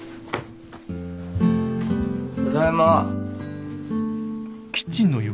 ただいま。